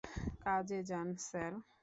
কাজে যান, স্যার।